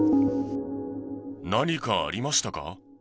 何かありましたか？